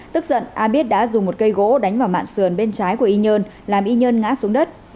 tức giận a biết đã dùng một cây gỗ đánh vào mạng sườn bên trái của y nhơn làm y nhân ngã xuống đất